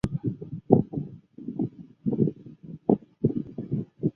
早年肄业于绥德省立第四师范学校肄业。